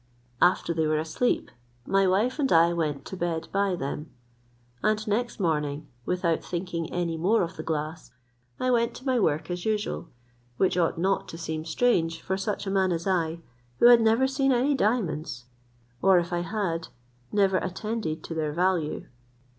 After they were asleep, my wife and I went to bed by them; and next morning, without thinking any more of the glass, I went to my work as usual; which ought not to seem strange for such a man as I, who had never seen any diamonds, or if I had, never attended to their value.